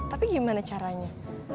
tapi gimana caranya